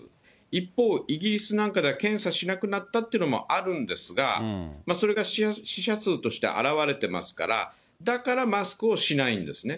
一方、イギリスなんかでは検査しなくなったっていうのもあるんですが、それが死者数として表れてますから、だからマスクをしないんですね。